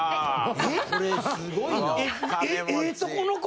これすごいな。